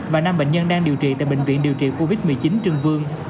và năm bệnh nhân đang điều trị tại bệnh viện điều trị covid một mươi chín trương vương